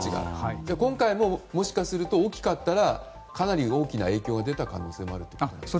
今回ももしかすると大きかったらかなり大きな影響が出た可能性もあるということですか。